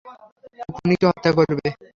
ও খুনিকে হত্যা করবে।